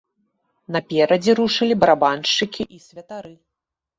Наперадзе рушылі барабаншчыкі і святары.